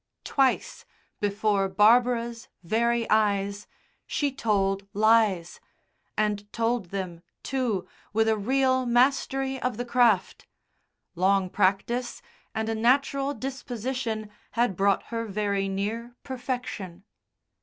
Twice, before Barbara's very eyes, she told lies, and told them, too, with a real mastery of the craft long practice and a natural disposition had brought her very near perfection.